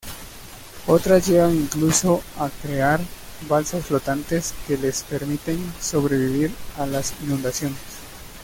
Otras llegan incluso a crear balsas flotantes que les permiten sobrevivir a las inundaciones.